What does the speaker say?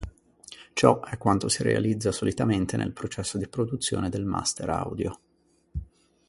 Ciò è quanto si realizza solitamente nel processo di produzione del master audio.